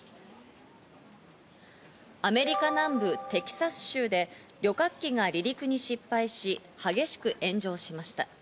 アメリカ南部テキサス州で旅客機が離陸に失敗し、激しく炎上しました。